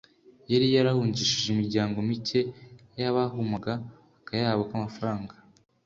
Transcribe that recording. yari yarahungishije imiryango mike y'abamuhaga akayabo k'amafaranga